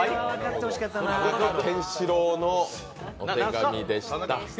田中健志郎のお手紙でした。